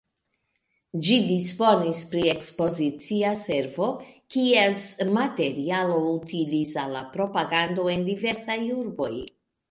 Ĝi disponis pri Ekspozicia Servo, kies materialo utilis al la propagando en diversaj urboj.